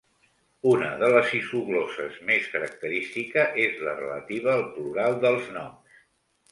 Una de les isoglosses més característica és la relativa al plural dels noms.